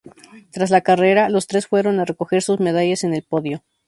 Tras la carrera, los tres fueron a recoger sus medallas en el podio.